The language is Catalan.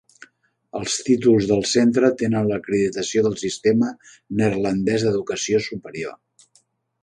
Els títols del centre tenen l'acreditació del sistema neerlandès d'educació superior.